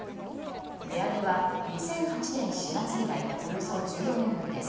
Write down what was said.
値上げは２００８年４月以来およそ１４年ぶりです。